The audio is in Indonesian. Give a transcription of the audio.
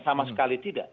sama sekali tidak